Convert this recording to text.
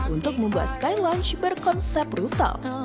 untuk membuat sky lounge berkonsep rooftop